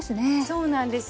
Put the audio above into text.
そうなんですよ。